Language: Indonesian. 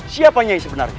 siapa nyai sebenarnya